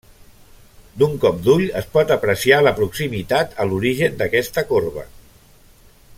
D'un cop d'ull es pot apreciar la proximitat a l'origen d'aquesta corba.